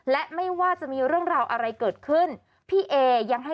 และไม่ว่าจะมีเรื่องราวอะไรเกิดขึ้นพี่เอยังให้